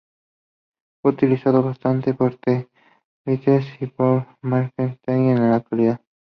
Fue utilizado bastante por The Beatles y Paul McCartney en la actualidad.